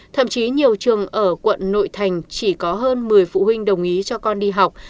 thậm chí nhiều trường ở quận nội thành chỉ có hơn một mươi phụ huynh đồng ý cho con đi học